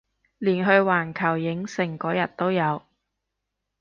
連去環球影城嗰日都有